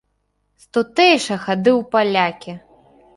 З тутэйшага ды у палякі!